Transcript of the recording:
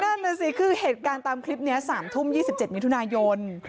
นั่นน่ะสิคือเหตุการณ์ตามคลิปนี้๓ทุ่ม๒๗มิถุนายน